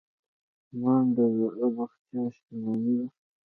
منډه د روغتیا شتمني ده